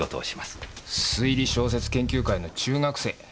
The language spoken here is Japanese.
推理小説研究会の中学生。